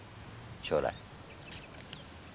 将来。